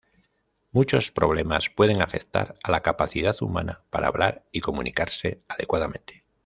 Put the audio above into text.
Muchos problemas pueden afectar a la capacidad humana para hablar y comunicarse adecuadamente.